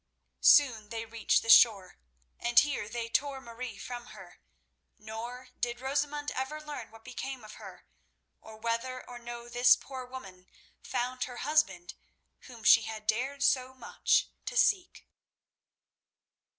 Soon they reached the shore, and here they tore Marie from her, nor did Rosamund ever learn what became of her, or whether or no this poor woman found her husband whom she had dared so much to seek.